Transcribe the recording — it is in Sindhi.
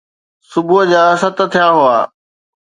صبح جا ست ٿيا هئا.